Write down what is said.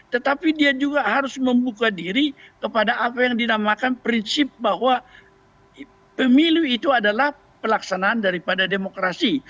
tetapi dia juga harus membuka diri kepada apa yang dinamakan prinsip bahwa pemilu itu adalah pelaksanaan daripada demokrasi